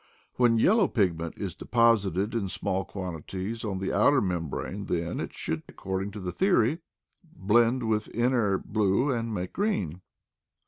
When yellow pigment is deposited in small quan tity on the outer membrane, then it should, accord ing to the theory, blend with the inner blue and make green.